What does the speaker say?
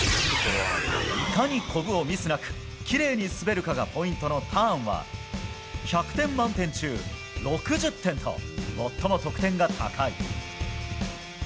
いかにコブをミスなくきれいに滑るかがポイントのターンは１００点満点中６０点と最も得点が高い。